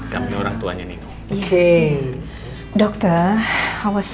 kami orang tuanya nino